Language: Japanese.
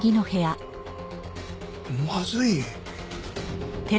まずい！